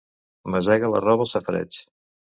Masega la roba al safareig.